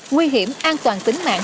nguy hiểm an toàn tính mạng